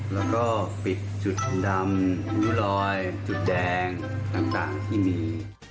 แล้วก็ปิดจุดดำนิ้วลอยจุดแดงต่างที่มี